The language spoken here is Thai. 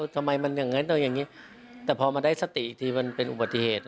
แต่มาพอได้สติจะเป็นอุบัติเหตุ